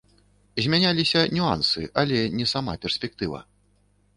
Змяняліся нюансы, але не сама перспектыва.